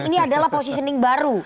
ini adalah positioning baru